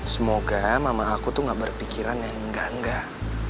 semoga mama aku tuh gak berpikiran yang enggak enggak